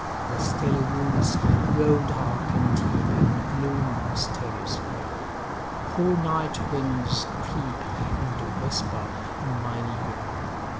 The stilly woods8Grow dark and deep, and gloom mysteriously.9Cool night winds creep, and whisper in mine ear.